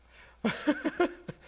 ハハハハ。